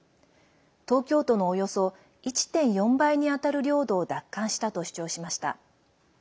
東京都のおよそ１．４倍に当たる領土を奪還したと主張しました。